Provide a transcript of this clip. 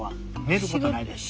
寝ることないです。